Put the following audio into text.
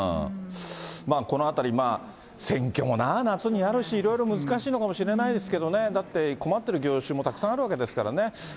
このあたりまあ、選挙もな、夏にあるし、いろいろ難しいのかもしれないけど、だって困ってる業種もたくさんあるわけですからね。